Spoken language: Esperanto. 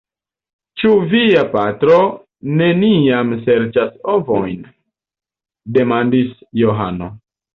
Ĉu via patro neniam serĉas ovojn? demandis Johano.